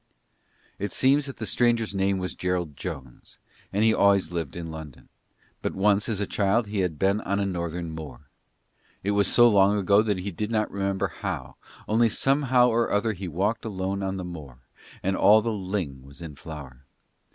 It seems that the stranger's name was Gerald Jones, and he always lived in London; but once as a child he had been on a Northern moor. It was so long ago that he did not remember how, only somehow or other he walked alone on the moor, and all the ling was in flower.